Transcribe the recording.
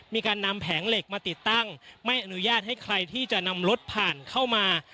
มีการนำแผงเหล็กมาติดตั้งไม่อนุญาตให้ใครที่จะนำรถผ่านเข้ามา